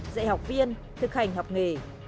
dạy học viên thực hành học nghề